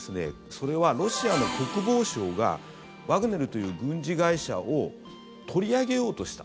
それはロシアの国防省がワグネルという軍事会社を取り上げようとした。